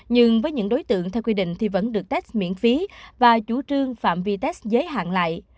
nhưng với những đối tượng theo quy định thì vẫn được test miễn phí và chủ trương phạm vi test giới hạn lại